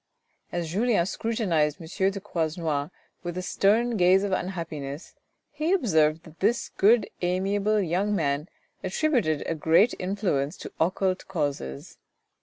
As Julien scrutinized M. de Croisenois with a stern gaze of unhappiness, he observed that this good amiable young man attributed a great influence to occult causes.